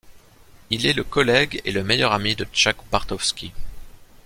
Il est le collègue et le meilleur ami de Chuck Bartowski.